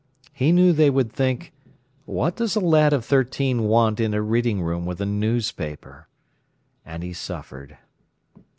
He knew they would think: "What does a lad of thirteen want in a reading room with a newspaper?" and he suffered.